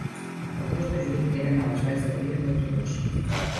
el dos de juny he d'anar a les Valls de Valira amb autobús.